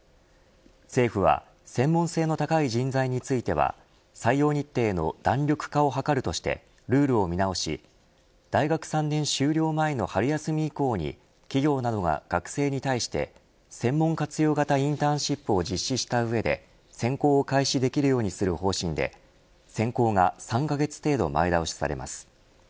政府は、専門性の高い人材については採用日程の弾力化を図るとしてルールを見直し大学３年終了前の春休み以降に企業などが学生に対して専門活用型インターンシップを実施した上で選考を開始できるようにする方針で選考が３カ月程度前倒しされます。